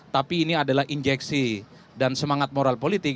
tapi ini adalah injeksi dan semangat moral politik